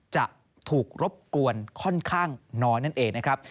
จะถูกรบกวนค่อนข้างน้อยนั่นเองนะครับ